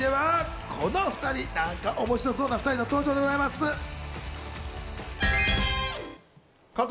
続いてはこの２人、何か面白そうな２人の登場でございます。